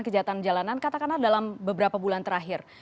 kejahatan jalanan katakanlah dalam beberapa bulan terakhir